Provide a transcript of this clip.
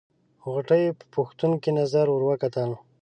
غوټۍ په پوښتونکې نظر ور وکتل.